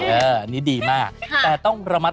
อันนี้ดีมากแต่ต้องระมัด